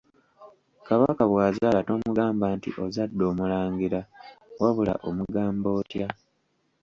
Kabaka bw'azaala tomugamba nti ozadde “omulangira” wabula omugamba otya?